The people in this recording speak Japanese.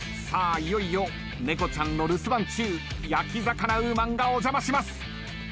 いよいよ猫ちゃんの留守番中焼き魚ウーマンがお邪魔します。